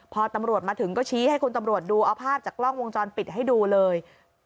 พอตำรวจมาถึงก็ชี้ให้คุณตำรวจดูเอาภาพจากกล้องวงจรปิดให้ดูเลย